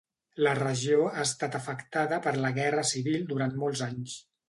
La regió ha estat afectada per la guerra civil durant molts anys.